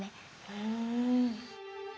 うん。